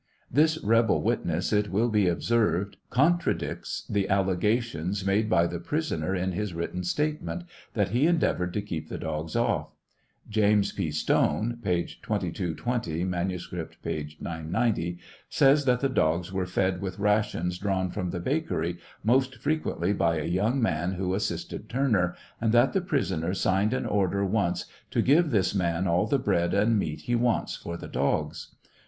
This rebel witness, it will be observed, contradicts the allegation made by the prisoner in his written statement, that he endeavored to keep the dogs off. James P. Stone (p. 2220 ; manuscript, p. 990) says that the dogs were fed with rations drawn from the bakery, most frequently by a young man who assisted Turner, and that the prisoner signed an order once " to give this man all the bread and meat he wants for the dogs."